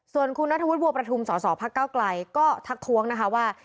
ส่วนคุณนัทวุฒิบัวประทุมสสพักเก้าไกลก็ทักท้วงนะคะว่า